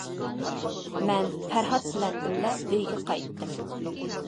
مەن پەرھات بىلەن بىللە ئۆيگە قايتتىم.